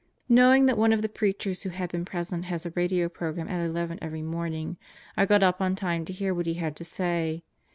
Knowing that one of the preachers who had been present has a radio program at eleven every morning, I got up on time to hear what he had to say.